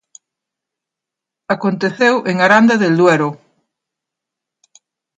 Aconteceu en Aranda del Duero.